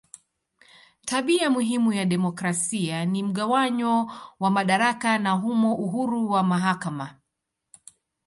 Tabia muhimu ya demokrasia ni mgawanyo wa madaraka na humo uhuru wa mahakama.